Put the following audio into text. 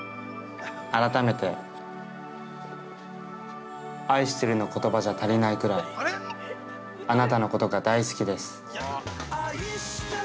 改めて、愛してるの言葉じゃ足りないくらいあなたのことが大好きです。